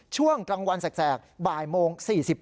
ช่วงกลางวันแสกบ่ายโมง๔๘